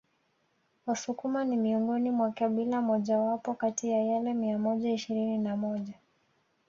wasukuma ni miongoni mwa kabila mojawapo kati ya yale mia moja ishirini na moja